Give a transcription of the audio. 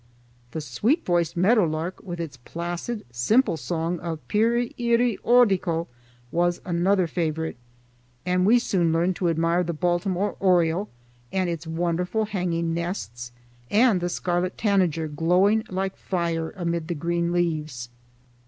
The sweet voiced meadowlark with its placid, simple song of peery eery ódical was another favorite, and we soon learned to admire the Baltimore oriole and its wonderful hanging nests, and the scarlet tanager glowing like fire amid the green leaves.